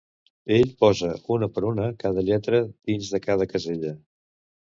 Ell posa una per una cada lletra dins de cada casella.